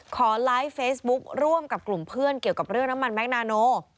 ขอไลฟ์เฟซบุ๊คร่วมกับกลุ่มเพื่อนเกี่ยวกับเรื่องน้ำมันแมงนาโน